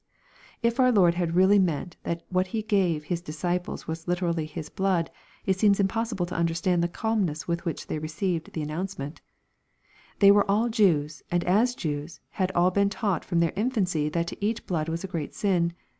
If our Lord had really meant that what He gave His disciples was literally His " blood," it seems impossible to understand the calmness with which they received the announcement They were all Jews, and as Jews had all been taught from their infancy that to eat blood was a great sin.